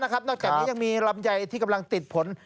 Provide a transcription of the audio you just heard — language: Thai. นอกจากนี้ยังมีลำไยที่กำลังติดผล